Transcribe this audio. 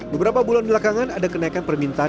beberapa bulan belakangan ada kenaikan permintaan